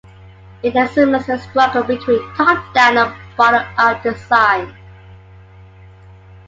It examines the struggle between top-down and bottom-up design.